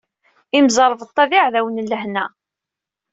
Imẓeṛbeṭṭa d iɛdawen n lahna.